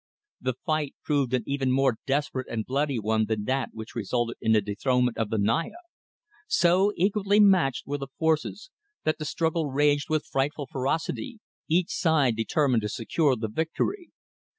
The fight proved an even more desperate and bloody one than that which resulted in the dethronement of the Naya. So equally matched were the forces, that the struggle raged with frightful ferocity, each side determined to secure the victory.